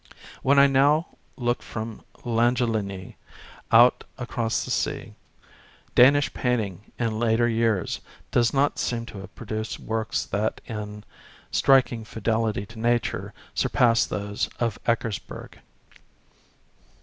When I now look from Langelinie out across the sea, Danish painting in later years does not seem to have produced works that, in striking fidelity to nature, surpass those of Eckersberg.